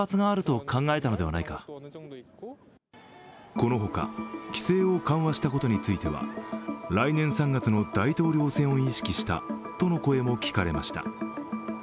このほか、規制を緩和したことについては来年３月の大統領選を意識したとの声も聞かれました。